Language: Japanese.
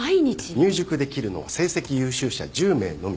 入塾できるのは成績優秀者１０名のみ。